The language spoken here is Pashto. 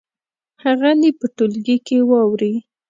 هغه دې په ټولګي کې واوروي.